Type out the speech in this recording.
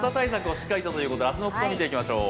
しっかりということで、明日の服装を見ていきましょう。